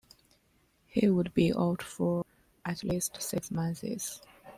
He would be out for at least six months.